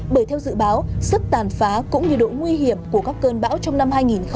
bởi theo dự báo sức tàn phá cũng như độ nguy hiểm của các cơn bão trong năm hai nghìn hai mươi